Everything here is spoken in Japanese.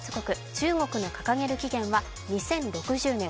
中国の掲げる期限は２０６０年。